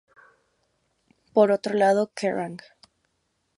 Por otro lado "Kerrang!